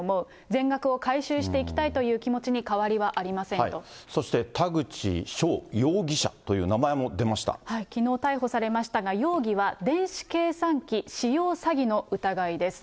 全額を回収していきたいという気そして、田口翔容疑者という、きのう逮捕されましたが、容疑は電子計算機使用詐欺の疑いです。